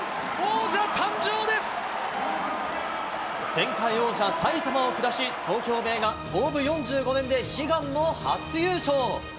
前回王者、埼玉を下し、東京ベイが創部４５年で悲願の初優勝。